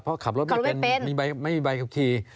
เพราะขับรถไม่เป็นไม่มีใบขับขี่